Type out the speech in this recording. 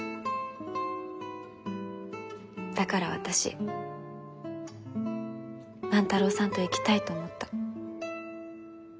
だから私万太郎さんと生きたいと思った。